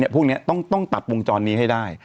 พวกนี้ต้องตัดวงจรนี้ให้ได้